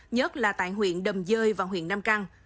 nhất là tại huyện đầm dơi và huyện nam căng